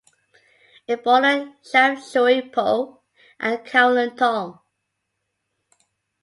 It borders Sham Shui Po and Kowloon Tong.